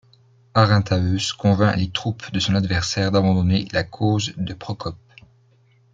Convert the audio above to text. Arinthaeus convainc les troupes de son adversaire d'abandonner la cause de Procope.